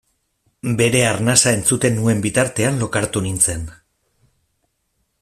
Bere arnasa entzuten nuen bitartean lokartu nintzen.